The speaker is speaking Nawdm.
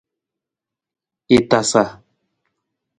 I tasa.